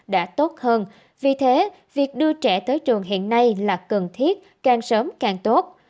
đã tốt hơn vì thế việc đưa trẻ tới trường hiện nay là cần thiết càng sớm càng tốt